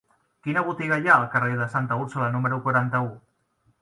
Quina botiga hi ha al carrer de Santa Úrsula número quaranta-u?